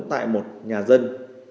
tại một nhà dân